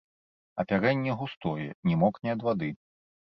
Апярэнне густое, не мокне ад вады.